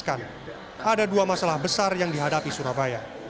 ada dua masalah besar yang dihadapi surabaya